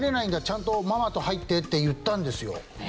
ちゃんとママと入ってって言ったんですよ。